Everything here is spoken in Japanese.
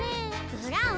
ブラウン